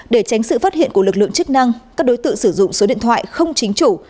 để tránh sự phát hiện của lực lượng chức năng các đối tượng sử dụng số điện thoại không chính chủ